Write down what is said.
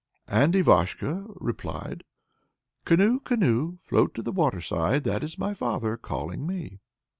And Ivashko replied: Canoe, canoe, float to the waterside; That is my father calling me.